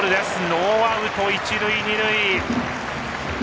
ノーアウト、一塁二塁。